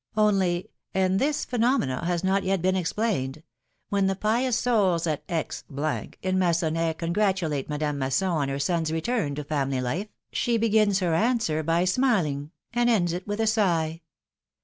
Only, and this phenomena has not yet been explained — when the pious souls at X in Magonnais congratulate Madame Masson on her son's return to family life, she begins her answer by smiling and ends it with a sigh.